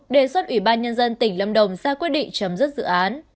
đề xuất ủy ban nhân dân tỉnh lâm đồng ra quyết định chấm dứt dự án